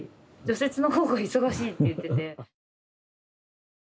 除雪の方が忙しいって言ってて。